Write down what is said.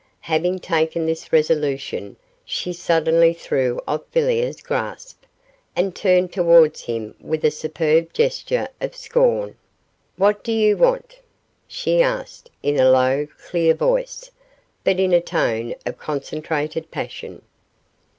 Having taken this resolution, she suddenly threw off Villiers' grasp, and turned towards him with a superb gesture of scorn. 'What do you want?' she asked in a low, clear voice, but in a tone of concentrated passion.